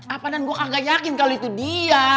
apa nan gua kagak yakin kalau itu dia